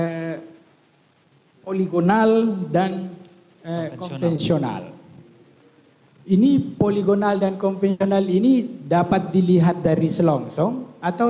hai poligonal dan konvensional ini poligonal dan konvensional ini dapat dilihat dari selongsong atau